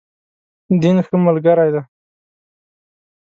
دین، ښه ملګری دی.